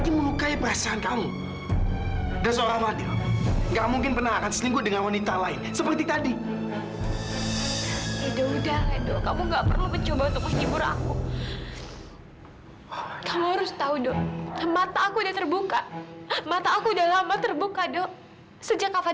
karena dia yang menganggap kamu sebagai istrinya